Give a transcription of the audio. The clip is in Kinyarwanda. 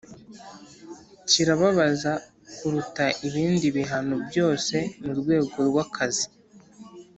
Kirababaza kuruta ibindi bihano byose mu rwego rw’akazi